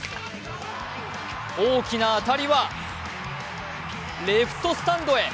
大きな当たりはレフトスタンドへ。